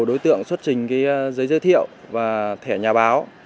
đối tượng xuất trình giấy giới thiệu và thẻ nhà báo